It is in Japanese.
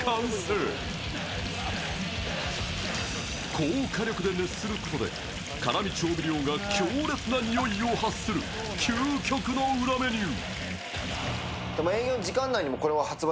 高火力で熱することで、辛味調味料が強烈なにおいを発する究極の裏メニュー。